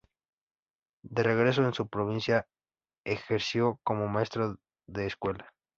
De regreso en su provincia ejerció como maestro de escuela.